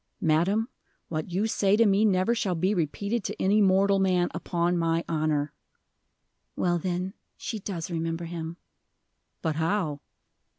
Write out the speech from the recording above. "Madam, what you say to me never shall be repeated to any mortal man, upon my honor." "Well, then, she does remember him." "But how?"